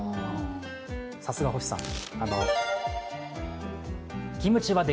さすが星さん。